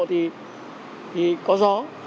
thì có gió